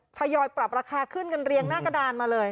ทยอยปรับราคาขึ้นกันเรียงหน้ากระดานมาเลย